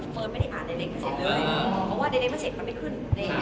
เพราะว่าในเล็กเก่าเสร็จมันไม่ขึ้น